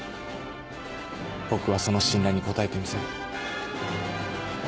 僕はその信頼に応えてみせる。